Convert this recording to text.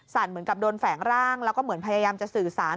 เหมือนกับโดนแฝงร่างแล้วก็เหมือนพยายามจะสื่อสาร